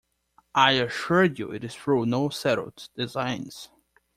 I assure you it is through no settled designs.